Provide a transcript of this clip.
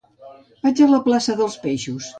Vaig a la plaça dels Peixos.